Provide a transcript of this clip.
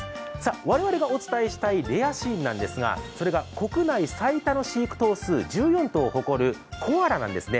我々がお伝えしたいレアシーンなんですがそれが国内最多の飼育頭数１４頭を誇るコアラなんですね。